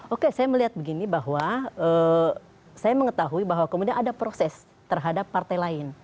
oke saya melihat begini bahwa saya mengetahui bahwa kemudian ada proses terhadap partai lain